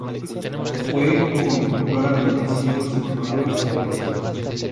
Fue conductora de noticieros y programas periodísticos.